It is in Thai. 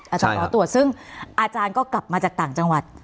อาจารย์ขอตรวจซึ่งอาจารย์ก็กลับมาจากต่างจังหวัด